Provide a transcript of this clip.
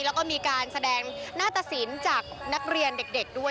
แล้วก็มีการแสดงหน้าตสินจากนักเรียนเด็กด้วย